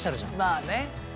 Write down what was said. まあね。